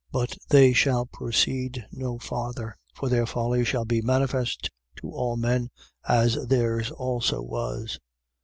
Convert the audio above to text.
But they shall proceed no farther: for their folly shall be manifest to all men, as theirs also was.